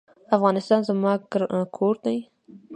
افغانستان زما کور دی؟